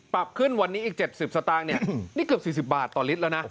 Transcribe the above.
ปรับขึ้นวันนี้อีก๗๐สตางค์เนี่ยนี่เกือบ๔๐บาทต่อลิตรแล้วนะ